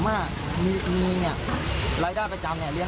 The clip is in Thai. มันก็เลยกลายเป็นว่าเหมือนกับยกพวกมาตีกัน